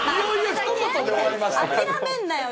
諦めんなよ